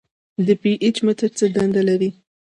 د پي ایچ متر څه دنده لري.